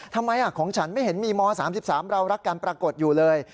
ทำไมของฉันไม่เห็นม๓๓เรารักกันปรากฏอยู่เลย